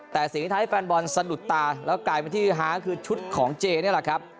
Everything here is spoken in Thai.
แต่สิ่งที่ทำให้แฟนบอลสะดุดตาแล้วกลายเป็นที่ฮาคือชุดของเจนี่แหละครับ